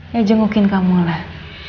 ya jengukin kamu lah